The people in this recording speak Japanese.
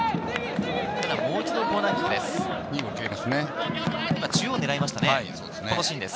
もう一度コーナーキックです。